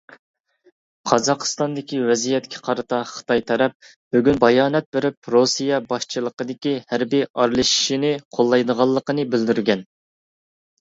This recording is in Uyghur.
قازاقىستاندىكى ۋەزىيەتكە قارىتا خىتاي تەرەپ بۈگۈن بايانات بېرىپ رۇسىيە باشچىلىقىدىكى ھەربىي ئارىلىشىشىنى قوللايدىغانلىقىنى بىلدۈرگەن.